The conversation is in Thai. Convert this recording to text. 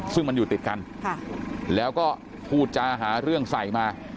ซึ่งมันอยู่ติดกันแล้วก็พูดจาหาเรื่องใส่มา